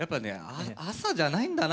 朝じゃないんだな